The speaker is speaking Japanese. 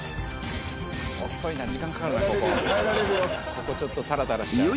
ここちょっとタラタラしちゃうな。